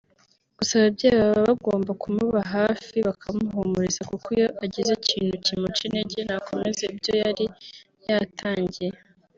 Gusa ababyeyi baba bagomba kumuba hafi bakamuhumuriza kuko iyo agize ikintu kimuca intege ntakomeza ibyo yari yatangiye